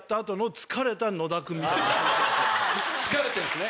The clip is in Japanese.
疲れてるんですね。